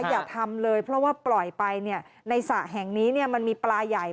อย่าทำเลยเพราะว่าปล่อยไปในสระแห่งนี้มันมีปลาใหญ่